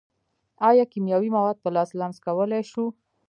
ایا کیمیاوي مواد په لاس لمس کولی شو.